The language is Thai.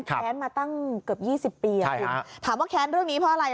แค้นมาตั้งเกือบ๒๐ปีคุณถามว่าแค้นเรื่องนี้เพราะอะไร